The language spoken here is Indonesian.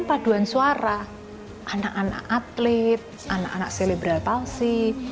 jadi saya ada aduan suara anak anak atlet anak anak selebril palsi